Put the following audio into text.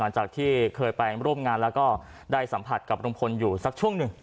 หลังจากที่เคยไปร่วมงานแล้วก็ได้สัมผัสกับลุงพลอยู่สักช่วงหนึ่ง